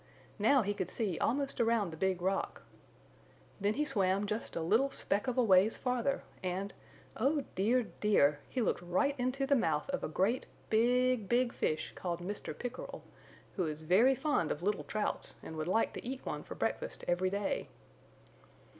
Now he could see almost around the Big Rock. Then he swam just a little speck of a ways farther and oh dear, dear! he looked right into the mouth of a great big, big fish called Mr. Pickerel, who is very fond of little Trouts and would like to eat one for breakfast every day.